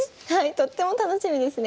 とっても楽しみですね。